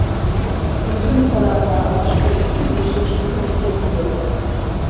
Gözüm karanlığa alıştığı için dışarısını seçebiliyordum.